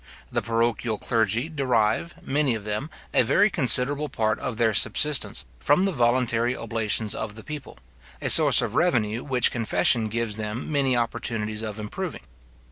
The parochial clergy derive many of them, a very considerable part of their subsistence from the voluntary oblations of the people; a source of revenue, which confession gives them many opportunities of improving.